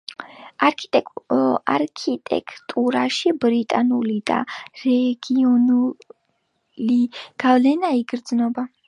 არქიტექტურაში ბრიტანული და რეგიონული გავლენა იგრძნობა.